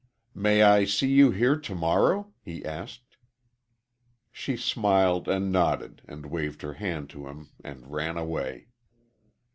"May I see you here to morrow?" he asked. She smiled and nodded and waved her hand to him and ran away.